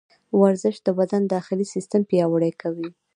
ورزش د بدن داخلي سیسټم پیاوړی کوي.